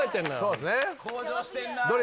そうですね。